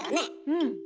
うん。